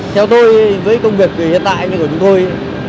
theo tôi với công việc hiện tại của chúng tôi